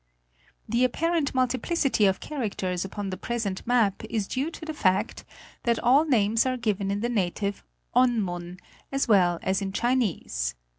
The apparent multiplicity of characters upon the present map is due to the fact that all names are given in the native On mun, as well as in the Chinese.